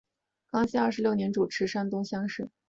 康熙二十六年主持山东乡试。